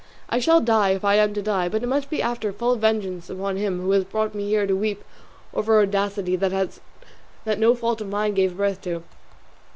I shall die, if I am to die; but it must be after full vengeance upon him who has brought me here to weep over audacity that no fault of mine gave birth to."